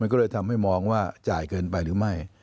ก็เลยทำให้มองว่าจ่ายเกินไปหรือไม่